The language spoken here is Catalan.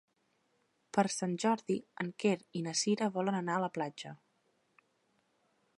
Per Sant Jordi en Quer i na Cira volen anar a la platja.